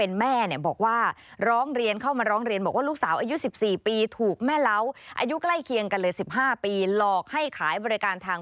จังหวัดนครราชศรีมาครับ